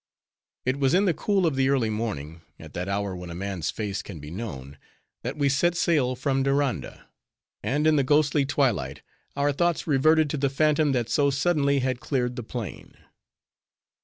It was in the cool of the early morning, at that hour when a man's face can be known, that we set sail from Diranda; and in the ghostly twilight, our thoughts reverted to the phantom that so suddenly had cleared the plain.